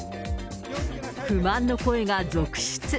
不満の声が続出。